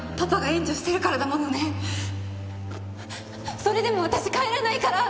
それでも私帰らないから！